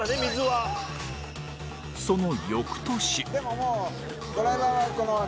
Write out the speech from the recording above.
その翌年。